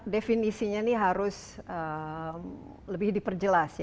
definisinya harus lebih diperjelas